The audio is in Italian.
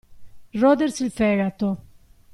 Rodersi il fegato.